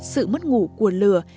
sự mất ngủ của lửa